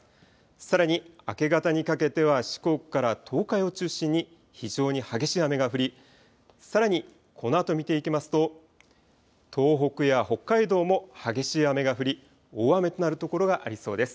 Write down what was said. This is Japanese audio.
さらに明け方にかけては四国から東海を中心に非常に激しい雨が降り、さらにこのあと見ていきますと東北や北海道も激しい雨が降り、大雨となる所がありそうです。